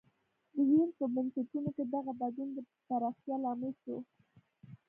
د وینز په بنسټونو کې دغه بدلون د پراختیا لامل شو